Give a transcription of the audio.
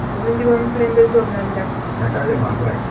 Obulungi bw'omukulembeze obulabira ku ki?